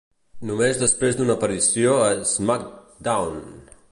Només després d"una aparició a SmackDown!